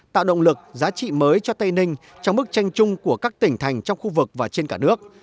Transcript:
tạo động lực giá trị mới cho tây ninh trong bức tranh chung của các tỉnh thành trong khu vực và trên cả nước